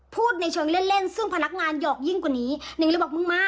ในเชิงเล่นเล่นซึ่งพนักงานหยอกยิ่งกว่านี้หนึ่งเลยบอกมึงมา